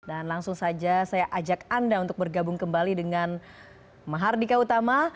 dan langsung saja saya ajak anda untuk bergabung kembali dengan mahardika utama